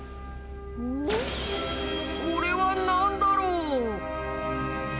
これは何だろう？